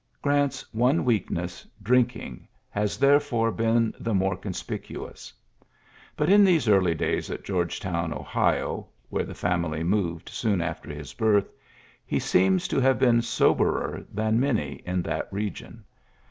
Grant's one weakness, drinking, has therefore been the more conspicuous. But in these early days at Georgetown, Ohio (where the family moved soon after his birth), he seems to have been soberer than many in that re gion.